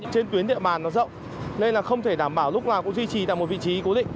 trên tuyến địa mà nó rộng nên là không thể đảm bảo lúc nào cũng duy trì được một vị trí cố định